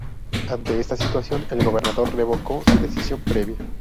Ante esta situación el gobernador revocó su decisión previa.